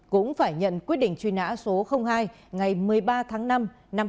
cũng phải nhận quyết định truy nã số hai ngày một mươi ba tháng năm năm hai nghìn một mươi ba